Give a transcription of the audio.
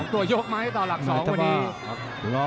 ตัวยกไหมต่อหลัก๒วันนี้